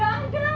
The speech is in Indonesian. bapak gak ada